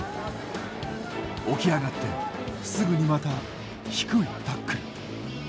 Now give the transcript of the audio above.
起き上がってすぐにまた低いタックル。